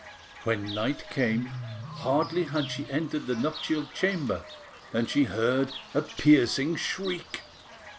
When night came, hardly had she entered the nuptial chamber than she uttered a piercing shriek.